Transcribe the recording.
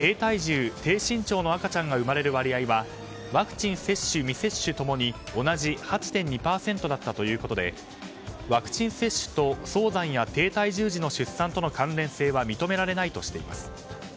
また、低体重・低身長の赤ちゃんが生まれる割合はワクチン接種・未接種共に同じ８．２％だったということでワクチン接種と早産や低体重児の出産との関連性は認められないとしています。